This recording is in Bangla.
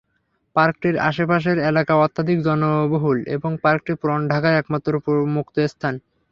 পার্কটির আশপাশের এলাকা অত্যধিক জনবহুল এবং পার্কটি পুরান ঢাকার একমাত্র মুক্ত স্থান।